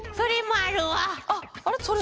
あれ？